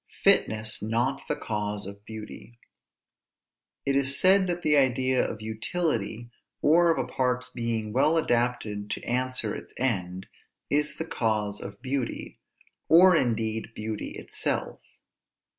FITNESS NOT THE CAUSE OF BEAUTY. It is said that the idea of utility, or of a part's being well adapted to answer its end, is the cause of beauty, or indeed beauty itself.